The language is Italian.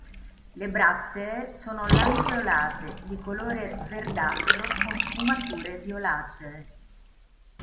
Le brattee sono lanceolate, di colore verdastro con sfumature violacee.